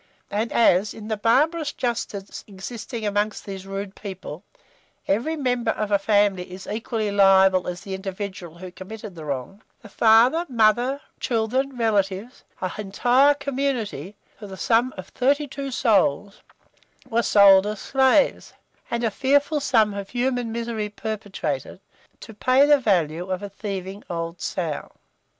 And as, in the barbarous justice existing among these rude people, every member of a family is equally liable as the individual who committed the wrong, the father, mother, children, relatives, an entire community, to the number of thirty two souls, were sold as slaves, and a fearful sum of human misery perpetrated, to pay the value of a thieving old sow.